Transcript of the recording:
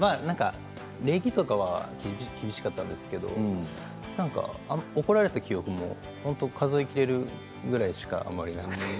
礼儀とかは厳しかったんですけれど怒られた記憶も本当に数え切れるぐらいしかあまりなくて。